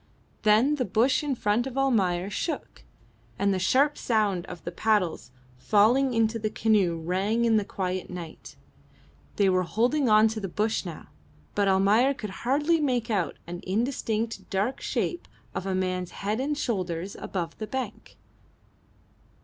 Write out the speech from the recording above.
Then the bush in front of Almayer shook, and the sharp sound of the paddles falling into the canoe rang in the quiet night. They were holding on to the bush now; but Almayer could hardly make out an indistinct dark shape of a man's head and shoulders above the bank.